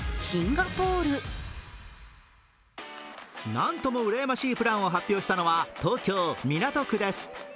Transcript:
なんとも羨ましいプランを発表したのは東京・港区です。